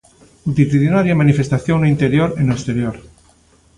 Multitudinaria manifestación no interior e no exterior.